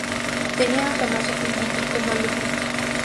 Tenía a Tomaso Filippi como alumno.